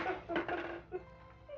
aku sudah berjalan